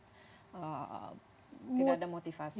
tidak ada motivasi